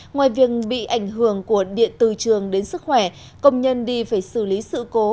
ngoài việc bị ảnh hưởng của điện từ trường đến sức khỏe công nhân đi phải xử lý sự cố